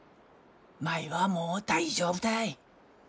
舞はもう大丈夫たい。